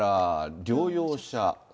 療養者数